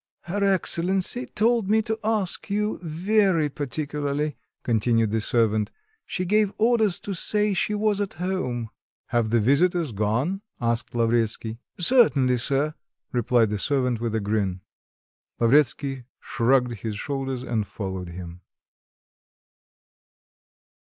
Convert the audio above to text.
"Her excellency told me to ask you very particularly," continued the servant. "She gave orders to say she was at home." "Have the visitors gone?" asked Lavretsky. "Certainly, sir," replied the servant with a grin. Lavretsky shrugged his shoulders and followed him.